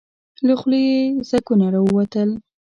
له خولې يې ځګونه راووتل.